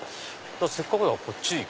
せっかくだからこっち。